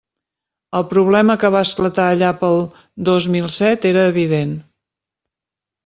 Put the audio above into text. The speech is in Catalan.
El problema que va esclatar allà pel dos mil set era evident.